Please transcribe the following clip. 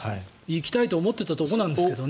行きたいと思っていたところなんですけど。